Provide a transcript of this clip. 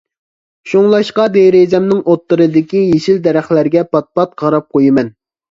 شۇڭلاشقا دېرىزەمنىڭ ئۇتتۇرىدىكى يېشىل دەرەخلەرگە پات-پات قاراپ قويىمەن.